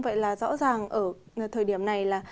vậy là rõ ràng ở thời điểm này là